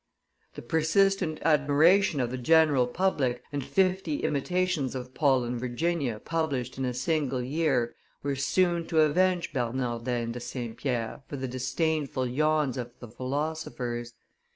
427] The persistent admiration of the general public, and fifty imitations of Paul and Virginia published in a single year, were soon to avenge Bernardin de St. Pierre for the disdainful yawns of the philosophers.